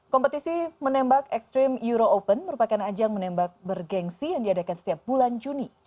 kompetisi menembak ekstrim euro open merupakan ajang menembak bergensi yang diadakan setiap bulan juni